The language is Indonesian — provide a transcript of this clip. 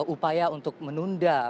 upaya untuk menunda